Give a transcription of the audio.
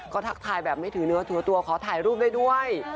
ก็ทักทายแบบไม่ถือเนื้อถือตัวขอถ่ายรูปได้ด้วย